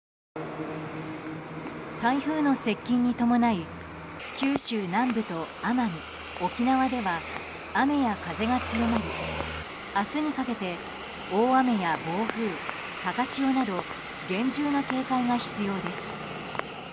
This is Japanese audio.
台風の接近に伴い九州南部と奄美、沖縄では雨や風が強まり、明日にかけて大雨や暴風、高潮など厳重な警戒が必要です。